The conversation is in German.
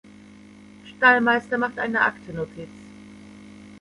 Stallmeister macht eine Aktennotiz.